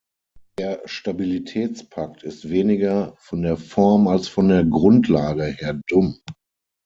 Der Stabilitätspakt ist weniger von der Form als von der Grundlage her dumm.